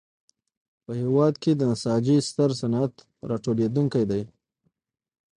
په دې هېواد کې د نساجۍ ستر صنعت راټوکېدلی و.